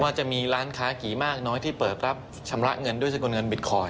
จะมีร้านค้ากี่มากน้อยที่เปิดรับชำระเงินด้วยสกุลเงินบิตคอยน